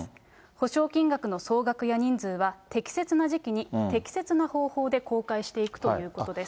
補償金額の総額や人数は、適切な時期に適切な方法で公開していくということです。